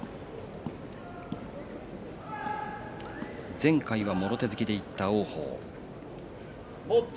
前回はもろ手突きでいった王鵬。